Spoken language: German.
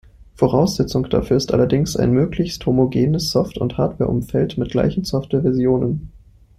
Voraussetzung dafür ist allerdings ein möglichst homogenes Soft- und Hardware-Umfeld mit gleichen Softwareversionen.